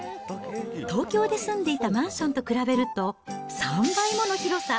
東京で住んでいたマンションと比べると３倍もの広さ。